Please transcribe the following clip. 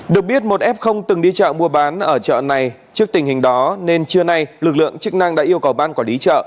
được biết một f không từng đi chợ mua bán ở chợ này trước tình hình đó nên trưa nay lực lượng chức năng đã yêu cầu ban quản lý chợ